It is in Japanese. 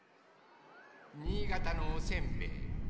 新潟のおせんべい。